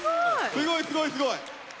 すごいすごいすごい。